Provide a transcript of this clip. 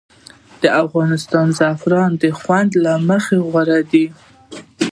د افغانستان زعفران د خوند له مخې غوره دي